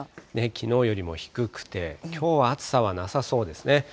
きのうよりも低くて、きょうは暑さはなさそうですね。